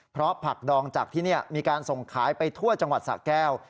เพราะผักดองจากที่นี่มีการส่งขายไปทั่วจังหวัดสะแก้ว